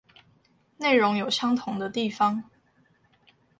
內容有相同的地方